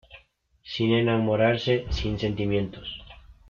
Sin enamorarse, sin sentimientos.